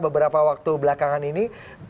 beberapa waktu belakangan ini